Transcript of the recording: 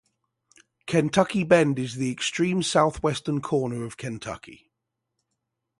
Kentucky Bend is the extreme southwestern corner of Kentucky.